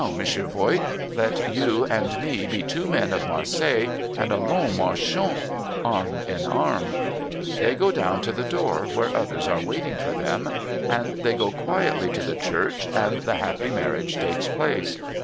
Monsieur Voigt, let you and me be two men of Marseilles, and allons, marchons, arm in arm !' They go down to the door, wdiere others are waiting for them, and they go quietly to the church, and the happy marriage takes place.